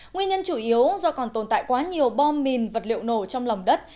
nguyên nhân chủ yếu do còn tồn tại quá nhiều bom mìn vật liệu nổ trong lòng đất